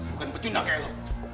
bukan pecunda kayak lo